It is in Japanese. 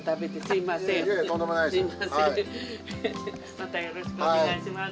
またよろしくお願いします。